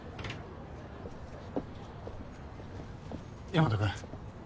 大和君。